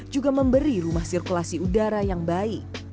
juga memberi rumah sirkulasi udara yang baik